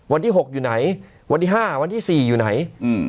วันที่หกอยู่ไหนวันที่ห้าวันที่สี่อยู่ไหนอืม